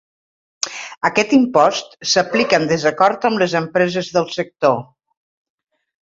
Aquest impost s’aplica en desacord amb les empreses del sector.